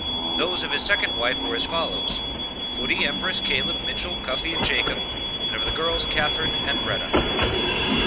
Those of his second wife were as follows: Footy, Embrus, Caleb, Mitchell, Cuffey and Jacob, and of the girls, Catherine and Retta.